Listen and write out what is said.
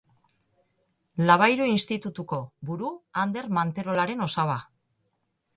Labayru Institutuko buru Ander Manterolaren osaba.